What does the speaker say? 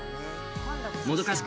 もどかしく